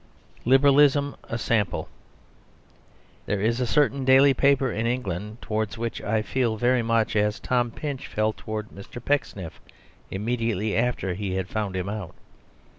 LIBERALISM: A SAMPLE There is a certain daily paper in England towards which I feel very much as Tom Pinch felt towards Mr. Pecksniff immediately after he had found him out.